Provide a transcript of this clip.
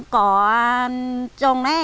có trồng này